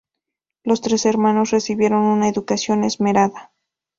Los tres hermanos recibieron una educación esmerada.